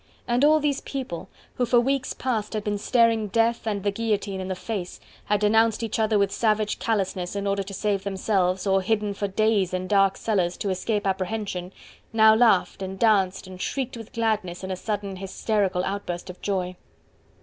And all these people who for weeks past had been staring death and the guillotine in the face, had denounced each other with savage callousness in order to save themselves, or hidden for days in dark cellars to escape apprehension, now laughed, and danced and shrieked with gladness in a sudden, hysterical outburst of joy.